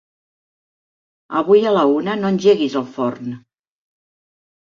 Avui a la una no engeguis el forn.